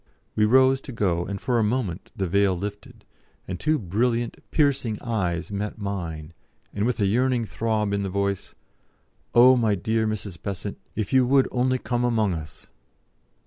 We rose to go, and for a moment the veil lifted, and two brilliant, piercing eyes met mine, and with a yearning throb in the voice: "Oh, my dear Mrs. Besant, if you would only come among us!"